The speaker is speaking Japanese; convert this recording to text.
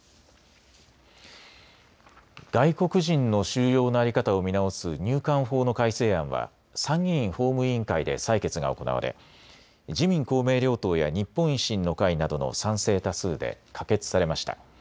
外国人の収容の在り方を見直す入管法の改正案は参議院法務委員会で採決が行われ自民公明両党や日本維新の会などの賛成多数で可決されました。